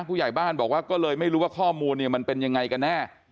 ผู้ใหญ่บ้านบอกว่าก็เลยไม่รู้ว่าข้อมูลเนี่ยมันเป็นยังไงกันแน่